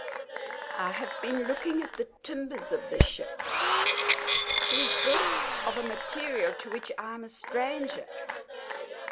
I have been looking at the timbers of the ship. She is built of a material to which I am a stranger.